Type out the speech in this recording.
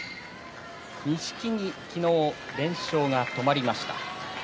錦木、昨日連勝が止まりました。